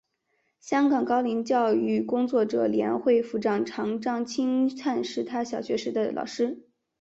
香港高龄教育工作者联会副会长张钦灿是他小学时的老师。